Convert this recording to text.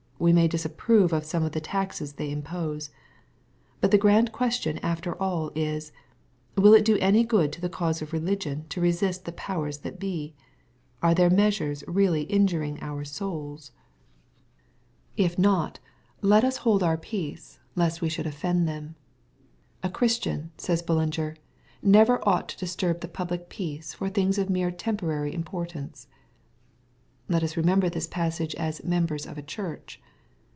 We may disapprove of some of the taxes they impose. But the grand question after all is, Will it da any good to the cause of religion to resist the powers that be ? Are their measures really injuring our souls ? If not, let us 10 218 EXPOSITORY THOUGHTS. hold our peace, " lest we should offend them." " A Christian," says Bullinger, " never ought to disturb the public peace for things of mere temporary importance." Let us remember this passage as members of a church.